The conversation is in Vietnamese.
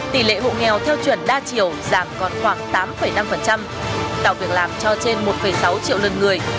tỷ lệ hộ nghèo theo chuẩn đa chiều giảm còn khoảng tám năm tạo việc làm cho trên một sáu triệu lần người